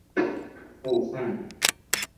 后汉干佑二年窦偁中进士。